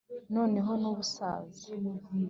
noneho n'ubusaza,